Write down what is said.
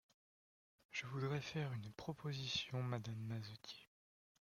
Je voudrais vous faire une proposition, madame Mazetier.